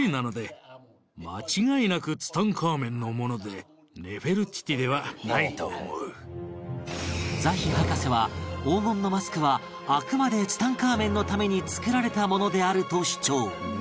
するとザヒ博士は黄金のマスクはあくまでツタンカーメンのために作られたものであると主張